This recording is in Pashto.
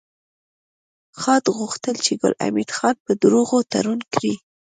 خاد غوښتل چې ګل حمید خان په دروغو تورن کړي